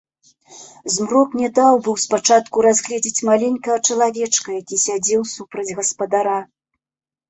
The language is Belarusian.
Змрок не даў быў спачатку разгледзець маленькага чалавечка, які сядзеў супраць гаспадара.